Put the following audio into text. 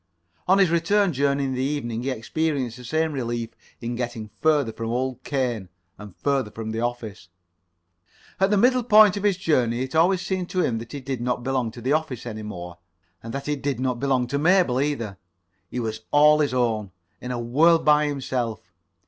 On his return journey in the evening he experienced the same relief in getting further from old Cain, and further from the office. At the middle point of his journey it always seemed to him that he did not belong to the office any more, and that he did not belong to Mabel either. He was all his own, in a world by himself.